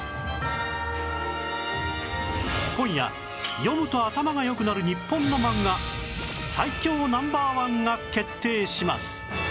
今夜読むと頭が良くなる日本の漫画最強 Ｎｏ．１ が決定します